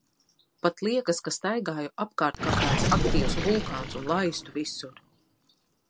Pat liekas, ka staigāju apkārt kā tāds aktīvs vulkāns un laistu visur.